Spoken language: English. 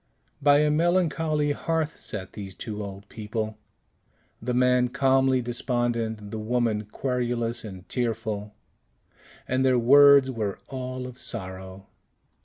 By a melancholy hearth sat these two old people, the man calmly despondent, the woman querulous and tearful, and their words were all of sorrow.